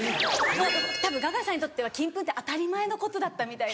たぶんガガさんにとっては金粉って当たり前のことだったみたい。